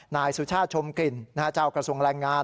นายสุชาติชมกลิ่นเจ้ากระทรวงแรงงาน